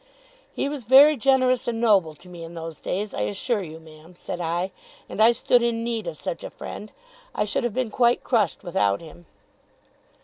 'He was very generous and noble to me in those days, I assure you, ma'am,' said I, 'and I stood in need of such a friend. I should have been quite crushed without him.